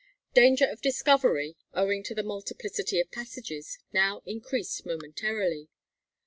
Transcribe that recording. Danger of discovery, owing to the multiplicity of passages, now increased momentarily.